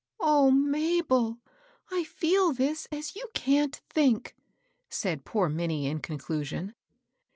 " O Mabel ! I feel this as you can't think I " said poor Minnie, in conclusion.